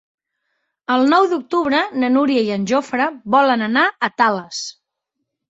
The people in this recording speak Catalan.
El nou d'octubre na Núria i en Jofre volen anar a Tales.